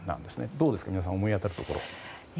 どうですか皆さん思い当たるところ。